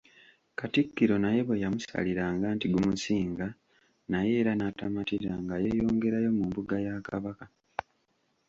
Katikkiro naye bwe yamusaliranga nti gumusinga naye era n’atamatira nga yeeyongerayo mu mbuga ya Kabaka.